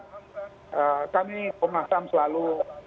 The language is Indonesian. kami pornasam selalu